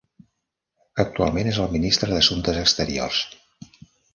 Actualment és el ministre d'assumptes exteriors.